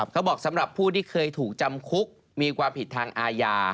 สำหรับผู้ที่เคยถูกจำคุกมีความผิดทางอาญา